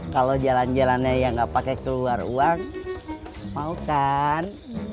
kalau jalan jalannya ya nggak pakai keluar uang mau kan